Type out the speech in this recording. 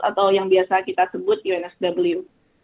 atau yang biasa kita sebut unsw